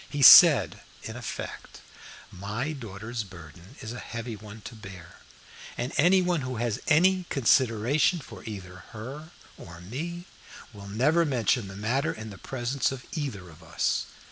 He said in effect: "My daughter's burden is a heavy one to bear, and any one who has any consideration for either her or me will never mention the matter in the presence of either of us.